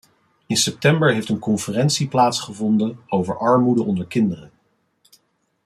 In september heeft een conferentie plaatsgevonden over armoede onder kinderen.